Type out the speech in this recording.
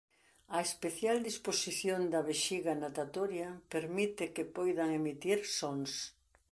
A especial disposición da vexiga natatoria permite que poidan emitir sons.